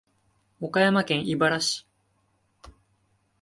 岡山県井原市